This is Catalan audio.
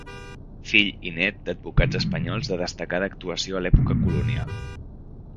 Fill i nét d'advocats espanyols de destacada actuació a l'època colonial.